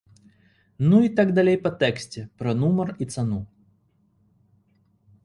Ну і так далей па тэксце пра нумар і цану.